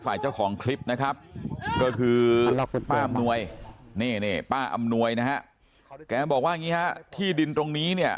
ฝ่ายเจ้าของคลิปนะครับก็คือป้าอำนวยป้าอำนวยนะฮะแกบอกว่าที่ดินตรงนี้